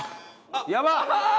やばっ！